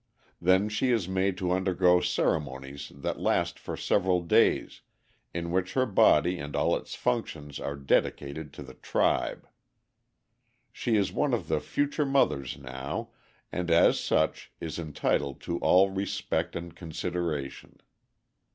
Then she is made to undergo ceremonies that last for several days, in which her body and all its functions are dedicated to the tribe. She is one of the future mothers now, and, as such, is entitled to all respect and consideration.